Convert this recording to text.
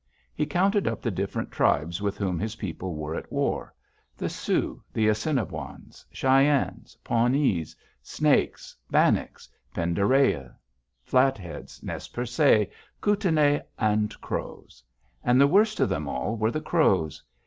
He counted up the different tribes with whom his people were at war the Sioux, the Assiniboines, Cheyennes, Pawnees, Snakes, Bannocks, Pend d'Oreilles, Flatheads, Nez Percés, Kootenai, and Crows. And the worst of them all were the Crows.